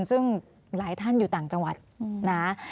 ซึ่งหลายท่านอยู่ต่างจังหวัดนะ